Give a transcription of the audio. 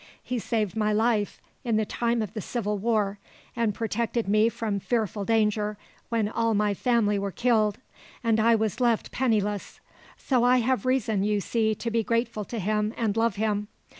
He saved my life in the time of the Civil War, and protected me from fearful dangers when all my family were killed, and I was left penniless; so I have reason, you see, to be grateful to him and love him.